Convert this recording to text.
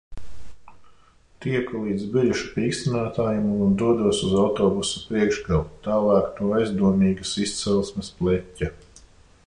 Tieku līdz biļešu pīkstinātājam un dodos uz autobusa priekšgalu, tālāk no aizdomīgas izcelsmes pleķa.